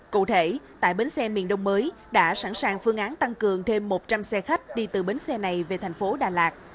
cụ thể tại bến xe miền đông mới đã sẵn sàng phương án tăng cường thêm một trăm linh xe khách đi từ bến xe này về thành phố đà lạt